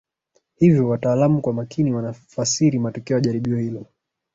Hivyo wataalamu kwa makini wanafasiri matokeo ya jaribio hilo